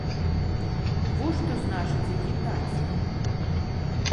Во што значыць агітацыя.